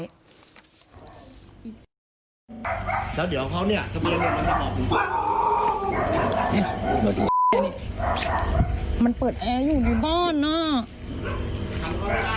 แล้วเดี๋ยวเขาเนี่ยมันเปิดแอร์อยู่ในบ้านเนอะ